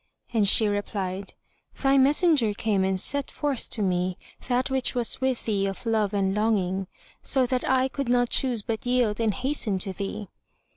and she replied, "Thy messenger came and set forth to me that which was with thee of love and longing, so that I could not choose but yield and hasten to thee."